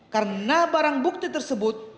karena barang bukti tersebut